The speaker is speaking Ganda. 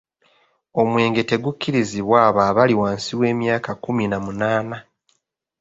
Omwenge tegukkirizibwa abo abali wansi w’emyaka kkumi na munaana.